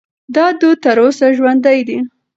دا دود تر اوسه ژوندی دی.